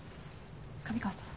神川さん。